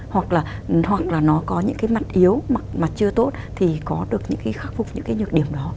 hoặc là nó có những cái mặt yếu mặt chưa tốt thì có được những cái khắc phục những cái nhược điểm đó